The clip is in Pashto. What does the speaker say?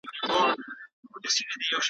او په معقولو او منقولو علومو کي ئې